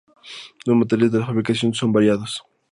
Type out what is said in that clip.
Los materiales de fabricación son variados.